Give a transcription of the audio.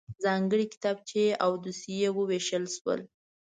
ځانګړی کتابچې او دوسيې وویشل شول.